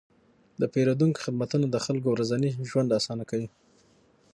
د پیرودونکو خدمتونه د خلکو ورځنی ژوند اسانه کوي.